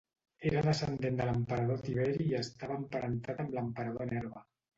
Era descendent de l'emperador Tiberi i estava emparentat amb l'emperador Nerva.